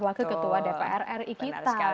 wakil ketua dpr ri kita